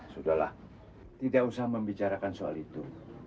sudahlah tidak usah membicarakan soal itu